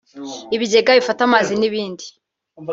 ibigega bifata amazi n’ibindi